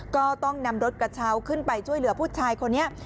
ก็ต้องนำรถกระเช้าขึ้นไปช่วยเหลือผู้ชายคนนี้